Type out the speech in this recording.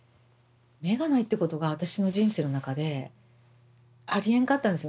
目がないってことが私の人生の中でありえんかったんですよね。